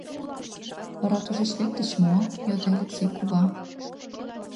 — Вара тушеч лектыч мо? — йодо Элексей кува.